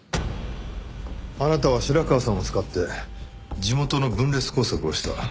あなたは白川さんを使って地元の分裂工作をした。